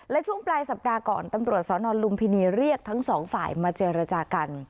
และช่วงปลายสัปดาห์ก่อนตำรวจสอนอนลุมพินีเรียกทั้งสองฝ่ายมาเจรจากัน